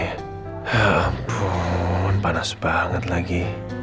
ya ampun panas banget lagi